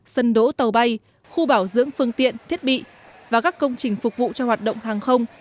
sân đỗ tàu bay khu bảo dưỡng phương tiện thiết bị và các công trình phục vụ cho hoạt động hàng không